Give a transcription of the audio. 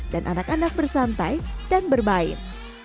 dan anak anak bersantai dan berbaik